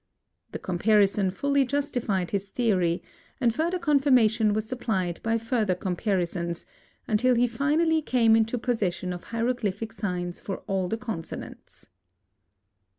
The comparison fully justified his theory, and further confirmation was supplied by further comparisons, until he finally came into possession of hieroglyphic signs for all the consonants.